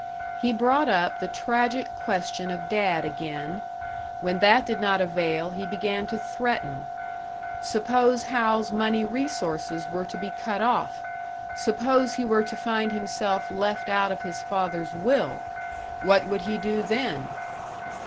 He brought up the tragic question of Dad again; when that did not avail, he began to threaten. Suppose Hal's money resources were to be cut off, suppose he were to find himself left out of his father's will what would he do then?